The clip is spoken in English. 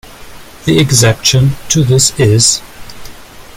The exception to this is.